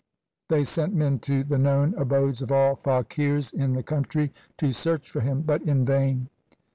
They sent men to the known abodes of all faqirs in the country to search for him, but in vain.